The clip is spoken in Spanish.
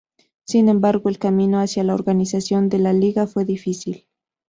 Sin embargo, el camino hacía la organización de la liga fue difícil.